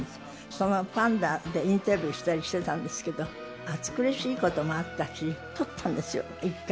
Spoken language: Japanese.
そのままパンダでインタビューしたりしてたんですけど、暑苦しいこともあったし、取ったんですよ、一回。